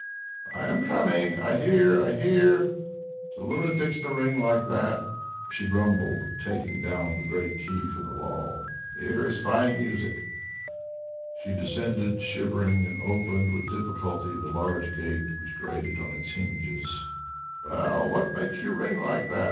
"I am coming! I hear! I hear! The lunatics to ring like that!" she grumbled, taking down the great key from the wall; "here is fine music." She descended, shivering, and opened with difficulty the large gate which grated on its hinges. "Well, what makes you ring like that?